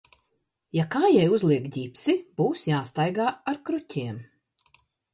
Ja k?jai uzliek ?ipsi, b?s j?staig? ar kru?iem.